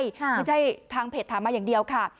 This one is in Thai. ไม่ใช่ทางเพจถามมาอย่างเดียวค่ะ